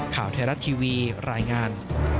ข่าวแทรศทีวีรายงาน